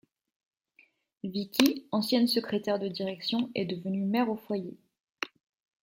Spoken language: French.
Vicky, ancienne secrétaire de direction, est devenue mère au foyer.